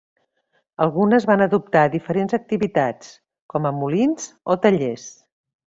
Algunes van adoptar diferents activitats, com a molins o tallers.